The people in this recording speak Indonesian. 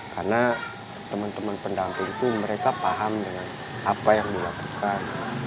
karena teman teman pendamping itu mereka paham dengan apa yang dilakukan